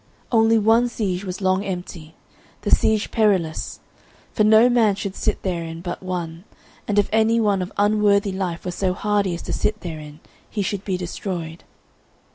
Only one siege was long empty, the Siege Perilous, for no man should sit therein but one, and if any one of unworthy life were so hardy as to sit therein, he should be destroyed.